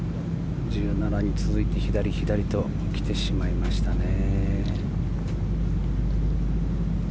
１７に続いて左、左と来てしまいましたね。